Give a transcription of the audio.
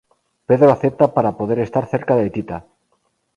Pedro acepta para poder estar cerca de Tita.